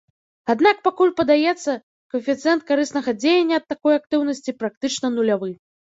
Аднак пакуль, падаецца, каэфіцыент карыснага дзеяння ад такой актыўнасці практычна нулявы.